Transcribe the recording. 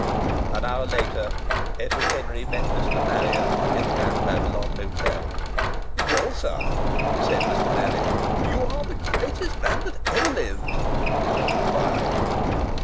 An hour later Edward Henry met Mr. Marrier at the Grand Babylon Hotel. "Well, sir," said Mr. Marrier, "you are the greatest man that ever lived!" "Why?"